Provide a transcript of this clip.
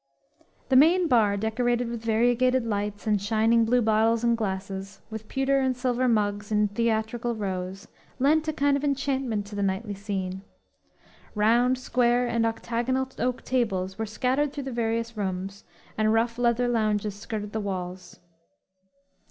"_ The main bar, decorated with variegated lights and shining blue bottles and glasses, with pewter and silver mugs in theatrical rows, lent a kind of enchantment to the nightly scene. Round, square and octagonal oak tables were scattered through the various rooms, and rough leather lounges skirted the walls.